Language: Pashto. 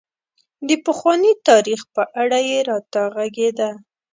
د پخواني تاريخ په اړه یې راته غږېده.